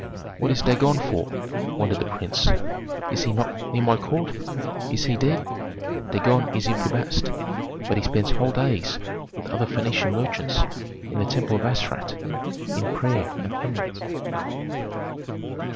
"What is Dagon for?" wondered the prince. "He is not near my court; is he dead?" "Dagon is in Pi Bast, but he spends whole days with other Phœnician merchants in the temple of Astarte in prayer and penance."